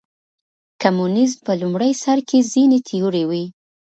کمونیزم په لومړي سر کې ځینې تیورۍ وې.